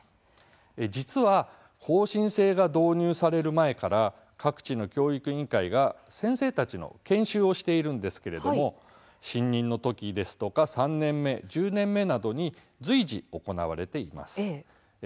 実は更新制が導入される前から各地の教育委員会が先生たちの研修をしているんですけれども新任のときですとか、３年目１０年目などに随時、行われていきます。